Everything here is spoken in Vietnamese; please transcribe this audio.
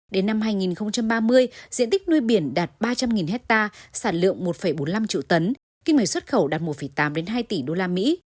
đến năm hai nghìn ba mươi diện tích nuôi biển đạt ba trăm linh hectare sản lượng một bốn mươi năm triệu tấn kinh mệnh xuất khẩu đạt một tám hai tỷ usd